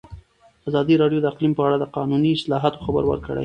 ازادي راډیو د اقلیم په اړه د قانوني اصلاحاتو خبر ورکړی.